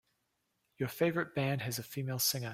Your favorite band has a female singer.